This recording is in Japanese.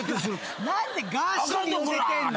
何でガーシーに寄せてんの。